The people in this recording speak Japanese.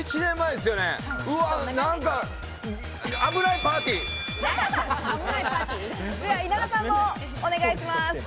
では稲田さん、お願いします。